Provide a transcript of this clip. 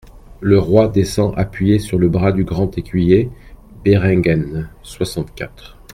Le roi descend appuyé sur le bras du grand écuyer Béringhen (soixante-quatre).